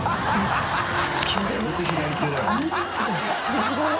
すごい。